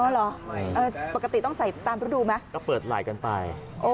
เหรอปกติต้องใส่ตามฤดูไหมก็เปิดไหล่กันไป